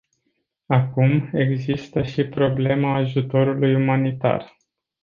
Acum, există și problema ajutorului umanitar.